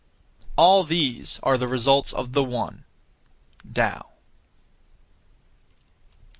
All these are the results of the One (Tao).